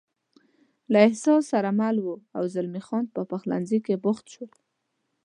له احساس سره مل و، او زلمی خان په پخلنځي کې بوخت شول.